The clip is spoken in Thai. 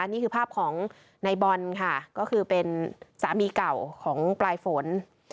นี่คือภาพของในบอลค่ะก็คือเป็นสามีเก่าของปลายฝน